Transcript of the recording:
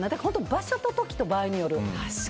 場所と時と場合による。